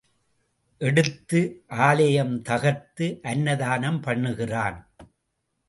எடுத்து, ஆலயம் தகர்த்து அன்னதானம் பண்ணுகிறான்.